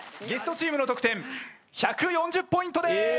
ゲストチームの得点１４０ポイントです。